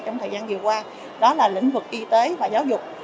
trong thời gian vừa qua đó là lĩnh vực y tế và giáo dục